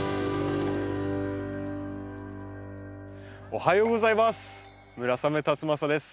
おはようございます。